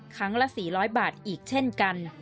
ครั้งละ๔๐๐บาทอีกเช่นกัน